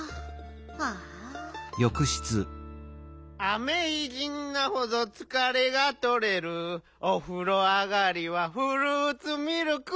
「アメイジングなほど疲れがとれる」「お風呂あがりはフルーツミルク」